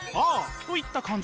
といった感じ。